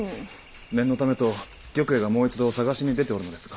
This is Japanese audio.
念のためと玉栄がもう一度探しに出ておるのですが。